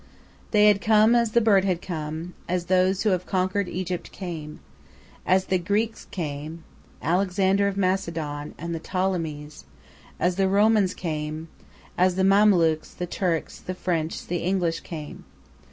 They had come, as the bird had come; as those who have conquered Egypt came; as the Greeks came, Alexander of Macedon, and the Ptolemies; as the Romans came; as the Mamelukes, the Turks, the French, the English came.